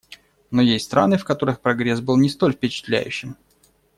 Но есть страны, в которых прогресс был не столь впечатляющим.